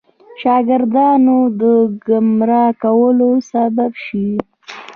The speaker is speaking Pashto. شاګردانو د ګمراه کولو سبب شي.